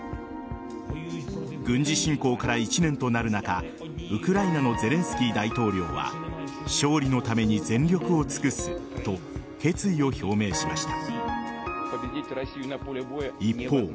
軍事侵攻から１年となる中ウクライナのゼレンスキー大統領は勝利のために全力を尽くすと決意を表明しました。